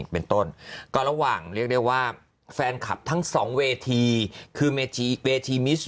เป็นต้นก็ระหว่างเรียกได้ว่าแฟนคลับทั้งสองเวทีคือเวทีมิช